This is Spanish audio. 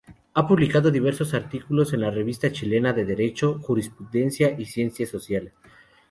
Ha publicado diversos artículos en la Revista Chilena de Derecho, Jurisprudencia y Ciencias Sociales.